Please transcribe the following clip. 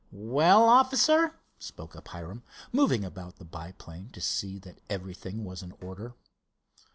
"Well, officer?" spoke up Hiram, moving about the biplane to see that everything was in order.